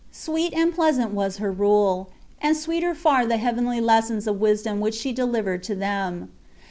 Sweet and pleasant was her rule, and sweeter far the heavenly lessons of wis dom which she delivered to them.